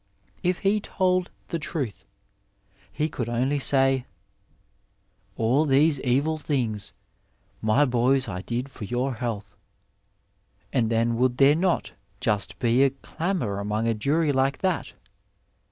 If he told the truth he could only say :^ AH these evil things, my boys I did for your health,' and then would there not just be a damour among a jury like that